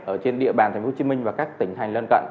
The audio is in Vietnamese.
ở trên địa bàn tp hcm và các tỉnh thành lân cận